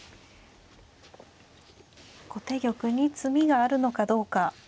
後手玉に詰みがあるのかどうか。